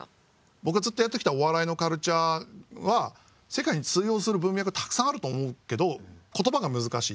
僕はずっとやってきたお笑いのカルチャーは世界に通用する文脈がたくさんあると思うけど言葉が難しい。